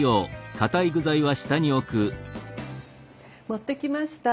持ってきました！